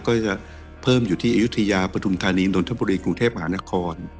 ก็จะเพิ่มอยู่ที่อายุทยาปฐุมธานีนนทบุรีกรุงเทพหานคร